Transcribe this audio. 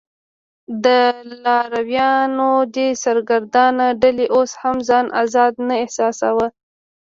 د لارویانو دې سرګردانه ډلې اوس هم ځان آزاد نه احساساوه.